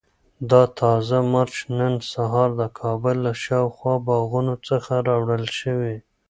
دا تازه مرچ نن سهار د کابل له شاوخوا باغونو څخه راوړل شوي.